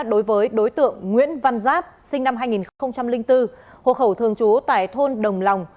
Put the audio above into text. đối với đối tượng nguyễn văn giáp sinh năm hai nghìn bốn hồ khẩu thường trú tại thôn đồng lòng